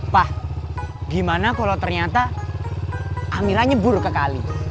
pak gimana kalau ternyata amirah nyebur ke kali